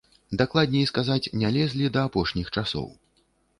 Дакладней сказаць, не лезлі да апошніх часоў.